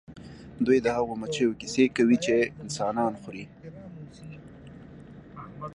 دوی د هغو مچیو کیسې کوي چې انسانان خوري